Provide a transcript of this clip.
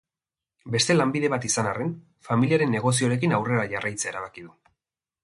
Beste lanbide bat izan arren, familiaren negozioarekin aurrera jarraitzea erabaki du.